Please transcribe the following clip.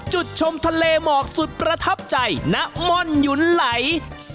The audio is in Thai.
จุดชมทะเลหมอกสุดประทับใจณม่อนหยุนไหล